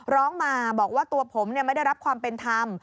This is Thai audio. ร้องมาบอกว่าตัวผมไม่ได้รับความเป็นธรรม